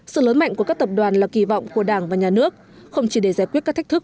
sự lớn mạnh của các tập đoàn là kỳ vọng của đảng và nhà nước không chỉ để giải quyết các thách thức